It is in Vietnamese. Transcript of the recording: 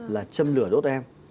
là châm lửa đốt em